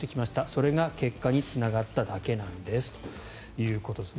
それが結果につながっただけなんですということです。